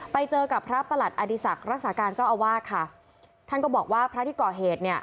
ไปเจอกับพระประหลัดอดีศักดิ์รักษาการเจ้าอาวาสค่ะท่านก็บอกว่าพระที่ก่อเหตุเนี่ย